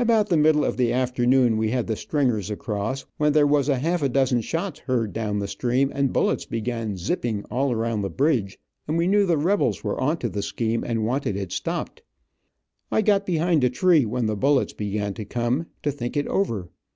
About the middle of the afternoon we had the stringers across, when there was a half dozen shots heard down the stream, and bullets began "zipping" all around the bridge, and we knew the rebels were onto the scheme, and wanted it stopped. I got behind a tree when the bullets began to come, to think it over.